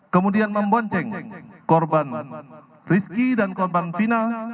kemudian membonceng korban rizki dan korban final